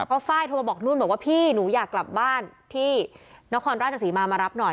เพราะไฟล์โทรมาบอกนุ่นบอกว่าพี่หนูอยากกลับบ้านที่นครราชศรีมามารับหน่อย